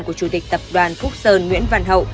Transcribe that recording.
của chủ tịch tập đoàn phúc sơn nguyễn văn hậu